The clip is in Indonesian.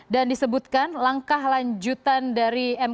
dan disebutkan langkah lanjutan dari mk sendiri